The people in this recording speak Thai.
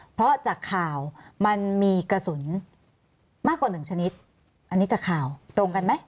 เพราะจากข่าวมันมีกระสุนมากกว่าหนึ่งชนิดอันนี้จากข่าวตรงกันไหม